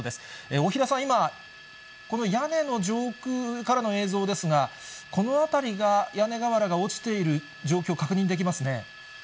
大平さん、今、この屋根の上空からの映像ですが、この辺りが、屋根瓦が落ちている状況、確認できますね。